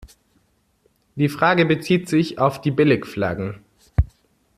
Die Frage bezieht sich auf die Billigflaggen.